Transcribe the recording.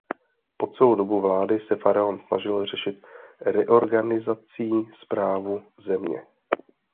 Po celou dobu vlády se faraon snažil řešit reorganizací správu země.